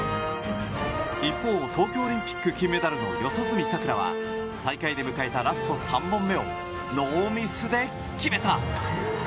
一方、東京オリンピック金メダルの四十住さくらは最下位で迎えたラスト３本目をノーミスで決めた。